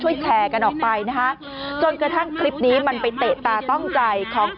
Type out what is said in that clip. แชร์กันออกไปนะคะจนกระทั่งคลิปนี้มันไปเตะตาต้องใจของ